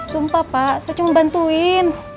sumpah pak saya cuma bantuin